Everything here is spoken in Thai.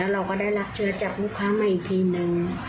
แล้วเราก็ได้รักเชื้อจากลูกค้ามาอีกทีนึง